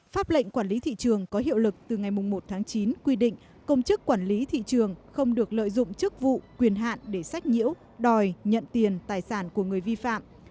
pháp lệnh quản lý thị trường có hiệu lực từ ngày một tháng chín quy định công chức quản lý thị trường không được lợi dụng chức vụ quyền hạn để sách nhiễu đòi nhận tiền tài sản của người vi phạm